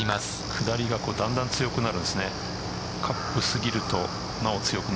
下りがだんだん強くなるんですね。